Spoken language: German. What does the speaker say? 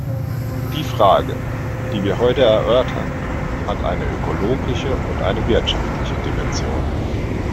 Die Frage, die wir heute erörtern, hat eine ökologische und eine wirtschaftliche Dimension.